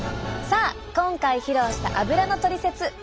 さあ今回披露したアブラのトリセツ。